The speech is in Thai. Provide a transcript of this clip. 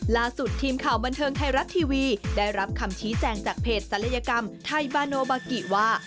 ล่าสุดทีมข่าวบันเทิงไทยรัฐทีวีได้รับคำชี้แจงจากเพจศัลยกรรมไทยบาโนบากิว่า